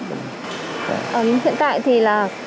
hiện tại thì là